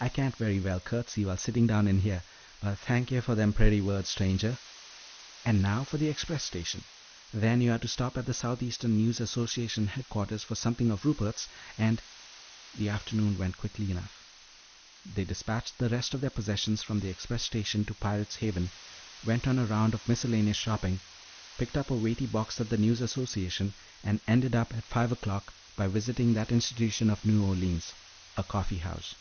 "I can't very well curtsy while sitting down in here, but 'thank yuh for them purty words, stranger.' And now for the express station. Then you are to stop at the Southeastern News Association headquarters for something of Rupert's and " The afternoon went quickly enough. They despatched the rest of their possessions from the express station to Pirate's Haven, went on a round of miscellaneous shopping, picked up a weighty box at the News Association, and ended up at five o'clock by visiting that institution of New Orleans, a coffee house.